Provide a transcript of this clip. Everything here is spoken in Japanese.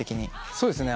そうですね。